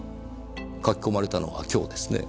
書き込まれたのは今日ですねぇ。